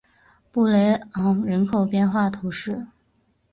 布雷昂人口变化图示